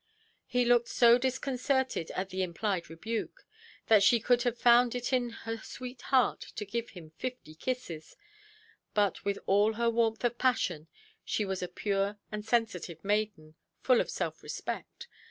He looked so disconcerted at the implied rebuke, that she could have found it in her sweet heart to give him fifty kisses; but, with all her warmth of passion, she was a pure and sensitive maiden, full of self–respect.